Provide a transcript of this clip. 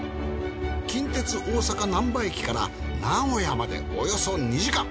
近鉄大阪難波駅から名古屋までおよそ２時間。